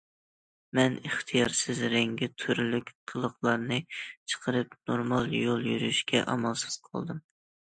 مەن ئىختىيارسىز رەڭگى- تۈرلۈك قىلىقلارنى چىقىرىپ نورمال يول يۈرۈشكە ئامالسىز قالدىم.